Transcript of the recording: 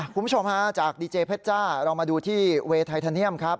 คุณผู้ชมฮะจากดีเจเพชจ้าเรามาดูที่เวย์ไททาเนียมครับ